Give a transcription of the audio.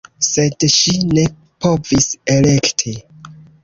Sed ŝi ne povis elekti.